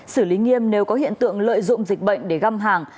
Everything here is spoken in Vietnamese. xử lý nghiêm nếu có hiện tượng lợi dụng dịch bệnh để găm hàng